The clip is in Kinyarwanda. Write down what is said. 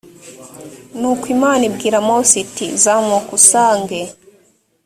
nuko imana ibwira mose iti zamuka usange